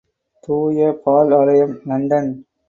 தூய பால் ஆலயம், இலண்டன்.